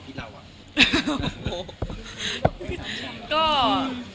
ในความคิดเราอ่ะ